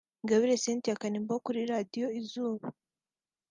Ingabire Cynthia Kanimba wo kuri Radio Izuba